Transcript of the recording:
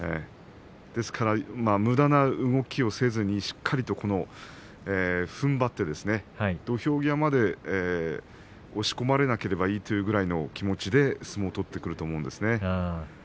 ですから、むだな動きをせずにしっかりとふんばって土俵際まで押し込まれなければいい、というくらいの気持ちで相撲を取ってくると思うんですね。